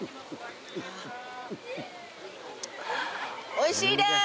おいしいです！